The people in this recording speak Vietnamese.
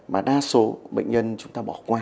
mà đa số bệnh nhân chúng ta bỏ qua